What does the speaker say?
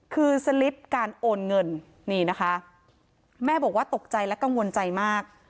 คือสลิปการโอนเงินนี่นะคะแม่บอกว่าตกใจและกังวลใจมาก